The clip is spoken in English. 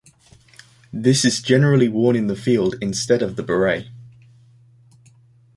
This is generally worn in the field instead of the Beret.